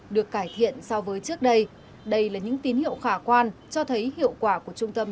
được cải thiện so với trước đây đây là những tín hiệu khả quan cho thấy hiệu quả của trung tâm